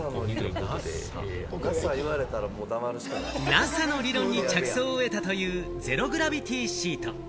ＮＡＳＡの理論に着想を得たというゼログラビティシート。